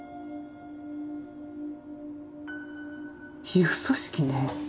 皮膚組織ね。